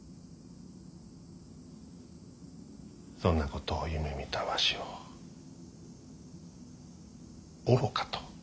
そんなことを夢みたわしを愚かと思われるかな。